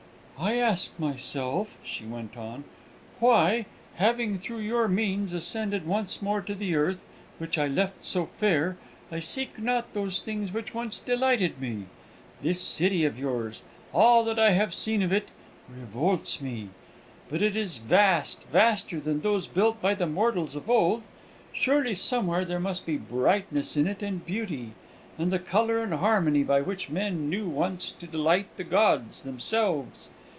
"I ask myself," she went on, "why, having, through your means, ascended once more to the earth, which I left so fair, I seek not those things which once delighted me. This city of yours all that I have seen of it revolts me; but it is vast, vaster than those built by the mortals of old. Surely somewhere there must be brightness in it and beauty, and the colour and harmony by which men knew once to delight the gods themselves.